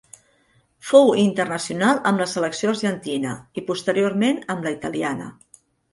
Fou internacional amb la selecció argentina i posteriorment amb la italiana.